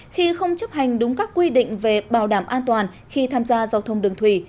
khi không chấp hành đúng các quy định về bảo đảm an toàn khi tham gia giao thông đường thủy